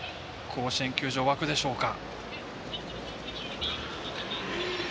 甲子園球場、沸くでしょうか。